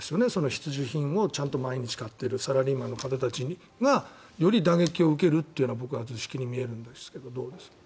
必需品をちゃんと毎日買っているサラリーマンの方たちがより打撃を受けるという図式に見えるんですがどうですか？